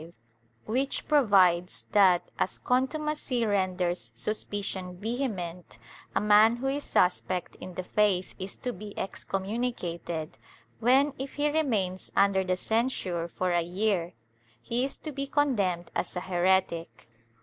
v) which provides that, as contumacy renders suspicion vehement, a man who is suspect in the faith is to be excommunicated, when, if he remains under the censure for a year, he is to be condemned as a heretic.